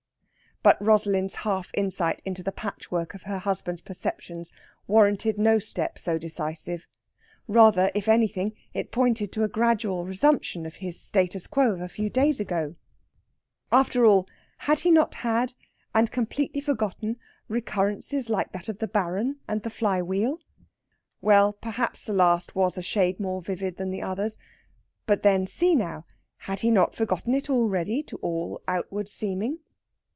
But Rosalind's half insight into the patchwork of her husband's perceptions warranted no step so decisive. Rather, if anything, it pointed to a gradual resumption of his status quo of a few days ago. After all, had he not had (and completely forgotten) recurrences like that of the Baron and the fly wheel? Well, perhaps the last was a shade more vivid than the others. But then see now, had he not forgotten it already to all outward seeming?